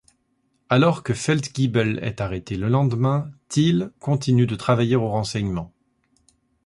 Alors que Fellgiebel est arrêté le lendemain, Thiele continue de travailler aux renseignements.